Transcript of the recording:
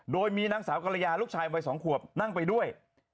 โดยมีนางสาวกรยาลูกชายวัย๒ขวบนั่งไปด้วย